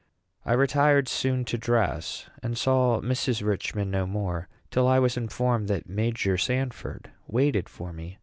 I retired soon to dress, and saw Mrs. Richman no more till I was informed that Major Sanford waited for me.